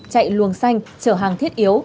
chạy luồng xanh chở hàng thiết yếu